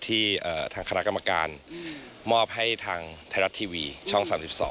ที่ทางคณะกรรมการมอบให้ทางไทยรัฐทีวีช่อง๓๒